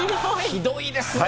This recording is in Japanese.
ひどいですね。